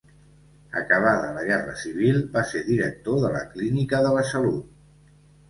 Acabada la Guerra Civil, va ser director de la Clínica de la Salut.